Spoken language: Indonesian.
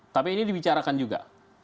tapi ini dibicarakan juga